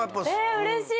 うれしい！